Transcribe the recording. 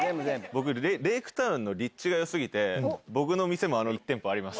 僕、レイクタウンの立地がよすぎて、僕の店も１店舗あります。